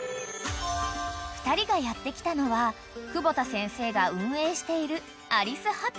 ［２人がやって来たのは久保田先生が運営している］